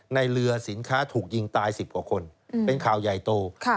ในเรือสินค้าถูกยิงตาย๑๐กว่าคนเป็นข่าวใหญ่โต